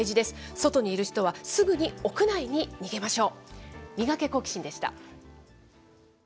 外にいる人は、すぐに屋内に逃げましょう。